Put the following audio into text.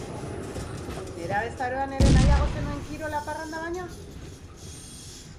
Nerabezaroan ere nahiago zenuen kirola parranda baino?